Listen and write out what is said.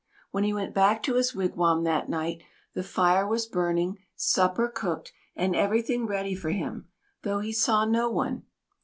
When he went back to his wigwam that night, the fire was burning, supper cooked, and everything ready for him, though he saw no one.